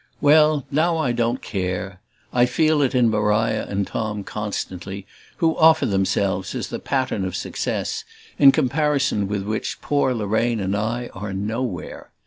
Well, now I don't care! I feel it in Maria and Tom, constantly, who offer themselves as the pattern of success in comparison with which poor Lorraine and I are nowhere.